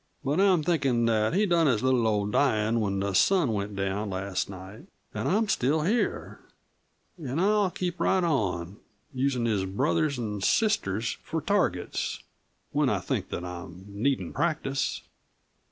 But I'm thinkin' that he done his little old dyin' when the sun went down last night. An' I'm still here. An' I'll keep right on, usin' his brothers an' sisters for targets when I think that I'm needin' practice."